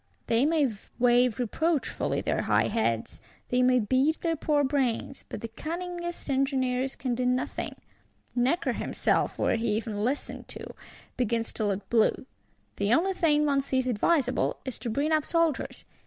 They may wave reproachfully their high heads; they may beat their poor brains; but the cunningest engineers can do nothing. Necker himself, were he even listened to, begins to look blue. The only thing one sees advisable is to bring up soldiers.